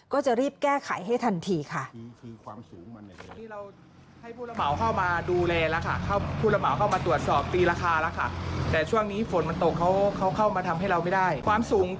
ก็จะรีบแก้ไขให้ทันทีค่ะ